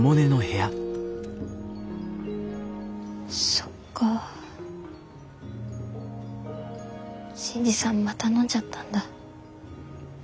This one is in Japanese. そっか新次さんまた飲んじゃったんだ。